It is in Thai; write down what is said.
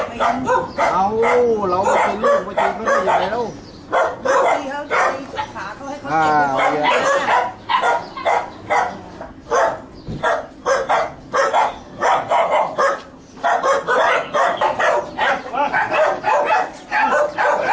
เอ้าเรามาตีเรื่องมาตีเรื่องนี้ไปด้วย